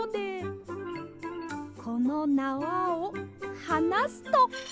このなわをはなすと。